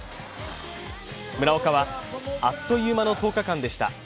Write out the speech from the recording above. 村岡はあっという間の１０日間でした。